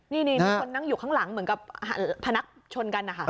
นี่มีคนนั่งอยู่ข้างหลังเหมือนกับพนักชนกันนะคะ